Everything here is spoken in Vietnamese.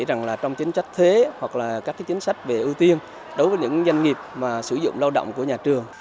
đó là trong chính sách thuế hoặc các chính sách về ưu tiên đối với những doanh nghiệp sử dụng lao động của nhà trường